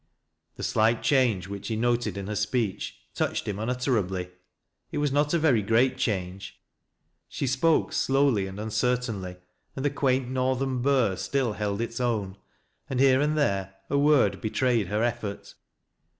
The slight change which he noted in her speech touched him unutterably. It was not a very great change ; she spoke slowly and uncertainly, and the quaint northern burr still held its own, and here and there a word betrayed her effort.